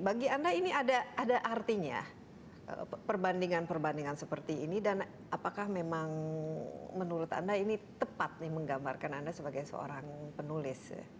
bagi anda ini ada artinya perbandingan perbandingan seperti ini dan apakah memang menurut anda ini tepat nih menggambarkan anda sebagai seorang penulis